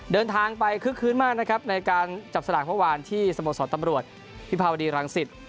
เดินทางไปคึกคื้นมากนะครับในการจับสลากเมื่อวานที่สโมสรตำรวจวิภาวดีรังสิต